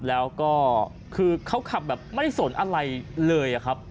แล้วก็คือเขาขับแบบไม่ได้สนอะไรเลยครับ